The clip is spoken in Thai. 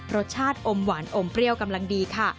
รสชาติอมหวานอมเปรี้ยวกำลังดีค่ะ